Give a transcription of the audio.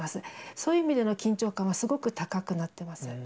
そういう意味での緊張感はすごく高くなってます。